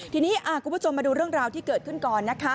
ทีนี้คุณผู้ชมมาดูเรื่องราวที่เกิดขึ้นก่อนนะคะ